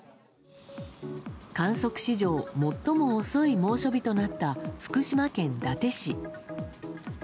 観測史上最も遅い猛暑日となった福島県伊達市。